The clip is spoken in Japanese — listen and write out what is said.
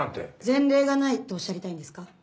前例がないとおっしゃりたいんですか？